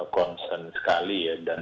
konsen sekali ya dan